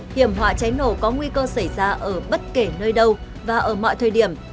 hiểm họa cháy nổ có nguy cơ xảy ra ở bất kể nơi đâu và ở mọi thời điểm